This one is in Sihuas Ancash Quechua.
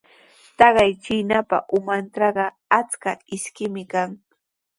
Taqay chiinapa umantrawqa achka ishkimi kan.